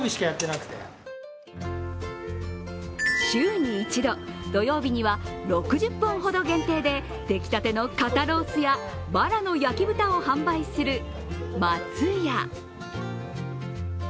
週に１度、土曜日には６０本ほど限定で出来たての肩ロースやバラの焼豚を販売する松屋。